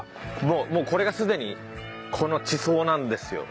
もうこれがすでにこの地層なんですよ。